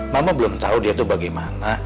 mama belum tahu dia itu bagaimana